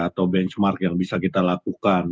atau benchmark yang bisa kita lakukan